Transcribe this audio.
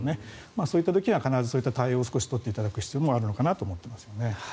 そういった時には必ずそういう対応を取っていただく必要もあるのかなと思いますね。